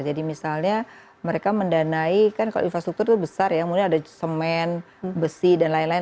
jadi misalnya mereka mendanai kan kalau infrastruktur itu besar ya mungkin ada semen besi dan lain lain